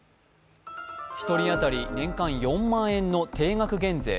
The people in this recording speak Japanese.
１人当たり年間４万円の定額減税。